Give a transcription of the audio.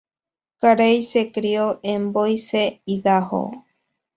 Carey se crio en Boise, Idaho.